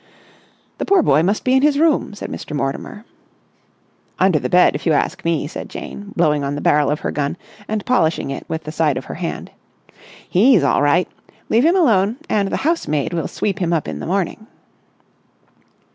"The poor boy must be in his room," said Mr. Mortimer. "Under the bed, if you ask me," said Jane, blowing on the barrel of her gun and polishing it with the side of her hand. "He's all right! Leave him alone, and the housemaid will sweep him up in the morning."